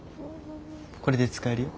これで使えるよ。